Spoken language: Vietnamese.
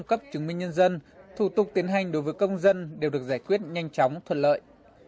các thủ tục tiến hành đối với công dân đều được giải quyết nhanh chóng thuận lợi